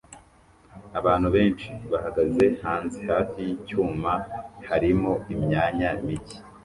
Abantu benshi bahagaze hanze hafi yicyuma harimo imyanya mike